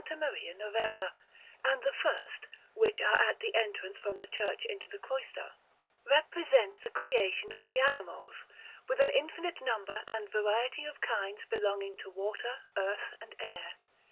Maria Novella; and the first, which are at the entrance from the church into the cloister, represent the Creation of the animals, with an infinite number and variety of kinds belonging to water, earth, and air.